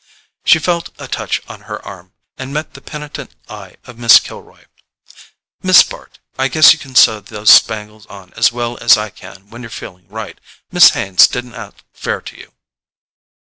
She felt a touch on her arm, and met the penitent eye of Miss Kilroy. "Miss Bart, I guess you can sew those spangles on as well as I can when you're feeling right. Miss Haines didn't act fair to you."